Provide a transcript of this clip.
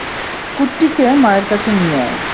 কুট্টিকে মায়ের কাছে নিয়ে আয়।